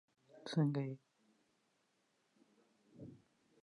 الټراساؤنډ د دقیق ځای پېژندنه کوي.